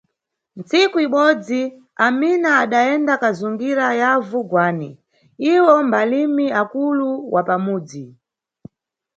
Ntsiku ibodzi Amina adayenda kazungira yavu Gwani, iwo mbalimi akulu wa pamudzi.